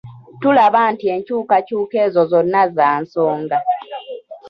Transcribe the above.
Tulaba nti enkyukakyuka ezo zonna za nsonga.